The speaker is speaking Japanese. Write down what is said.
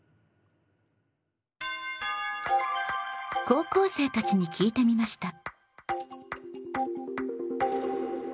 高校生たちに聞いてみました。